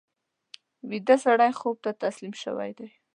ویده سړی خوب ته تسلیم شوی وي